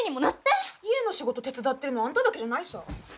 家の仕事手伝ってるのはあんただけじゃないさぁ。